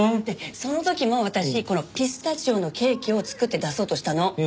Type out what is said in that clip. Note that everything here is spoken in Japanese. でその時も私このピスタチオのケーキを作って出そうとしたの。